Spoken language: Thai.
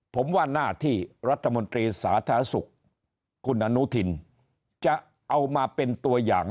ผมว่าหน้าที่รัฐมนตรีสาธารณสุขคุณอนุทินจะเอามาเป็นตัวอย่าง